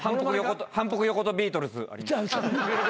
反復横跳ビートルズあります。